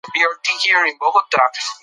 ښوونکي وویل چې مینه ضروري ده.